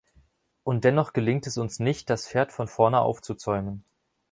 Und dennoch gelingt es uns nicht, das Pferd von vorne aufzuzäumen.